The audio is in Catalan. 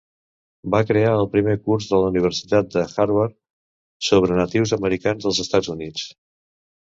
Va crear el primer curs de la Universitat de Harvard sobre natius americans als Estats Units.